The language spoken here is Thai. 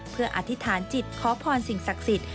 เพื่ออธิษฐานจิตขอพรสิ่งศักดิ์สิทธิ